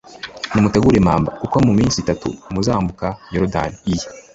nimutegure impamba, kuko mu minsi itatu muzambuka yorudani iyi,